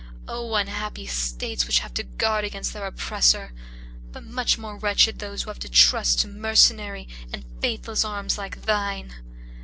Oh! unhappy states, which have to guard against their oppressor; but much more wretched those who have to trust to mercenary and faithless arms like thine!